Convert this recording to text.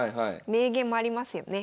名言もありますよね